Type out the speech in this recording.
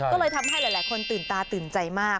ก็เลยทำให้หลายคนตื่นตาตื่นใจมาก